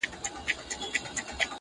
یوه ږغ کړه چي ګوربت ظالم مرغه دی!!